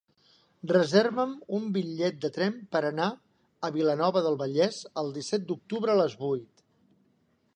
Reserva'm un bitllet de tren per anar a Vilanova del Vallès el disset d'octubre a les vuit.